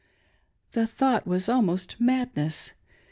The thought was almost madness.